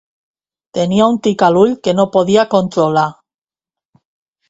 Tenia un tic a l'ull que no podia controlar.